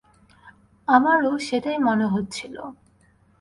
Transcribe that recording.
আমারো সেটাই মনে হচ্ছিল।